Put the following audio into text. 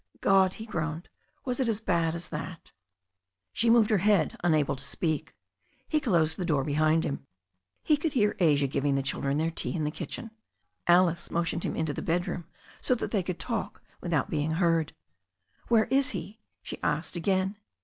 "God!" he groaned. "Was he as bad as that?" She moved her head, unable to speak. He closed the door behind them. He could hear Asia giving the children their tea in the kitchen. Alice motioned him into the bedroom so that they could talk without being heard. "Where is he?*' she asked again.